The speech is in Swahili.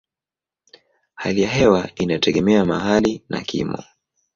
Hali ya hewa inategemea mahali na kimo.